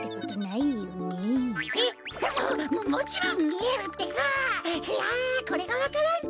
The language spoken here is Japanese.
いやこれがわか蘭か。